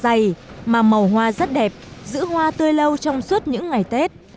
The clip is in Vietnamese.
hoa to cánh hoa dày mà màu hoa rất đẹp giữ hoa tươi lâu trong suốt những ngày tết